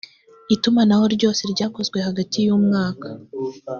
itumanaho ryose ryakozwe hagatin yumwaka